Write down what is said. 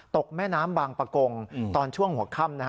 แม่น้ำบางประกงตอนช่วงหัวค่ำ